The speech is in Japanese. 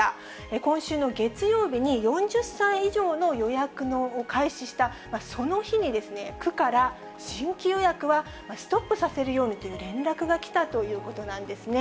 今週の月曜日に４０歳以上の予約を開始したその日に、区から新規予約はストップさせるようにという連絡が来たということなんですね。